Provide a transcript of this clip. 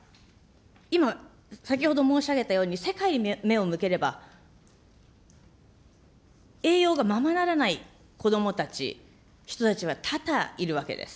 しかしながら、今、先ほど申し上げたように世界に目を向ければ、栄養がままならない子どもたち、人たちは多々いるわけです。